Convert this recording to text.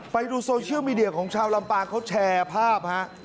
ไปดูโซเชียลมีเดียของชาวลำปางเขาแชร์ภาพฮะ